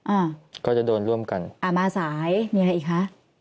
อ่าก็จะโดนร่วมกันอ่ามาสายมีอะไรอีกคะ